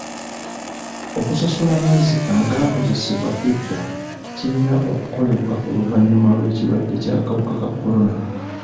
Okusasula amazzi agaakozesebwa edda kirina kukolerwa luvannyuma lw'ekirwadde ky'akawuka ka kolona.